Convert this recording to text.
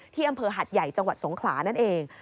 อำเภอหัดใหญ่จังหวัดสงขลานั่นเอง